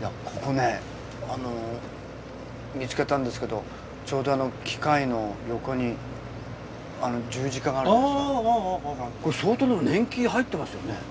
いやここね見つけたんですけどちょうど機械の横に十字架があるんですがこれ相当年季入ってますよね。